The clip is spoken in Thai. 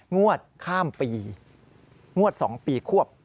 งวดข้ามปีงวด๒ปีควบ